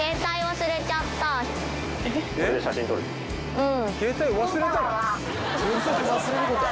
うん。